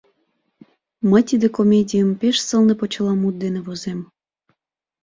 – Мый тиде комедийым пеш сылне почеламут дене возем.